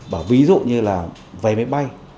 và ví dụ như là vé máy bay